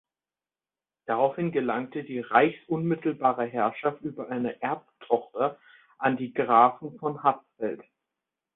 Daraufhin gelangte die reichsunmittelbare Herrschaft über eine Erbtochter an die Grafen von Hatzfeld.